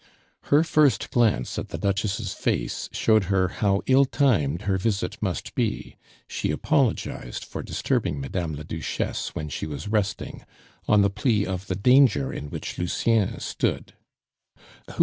Her first glance at the Duchess' face showed her how till timed her visit must be; she apologized for disturbing Madame la Duchesse when she was resting, on the plea of the danger in which Lucien stood.